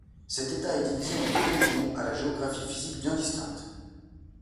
Cet État est divisé en deux régions à la géographie physique bien distinctes.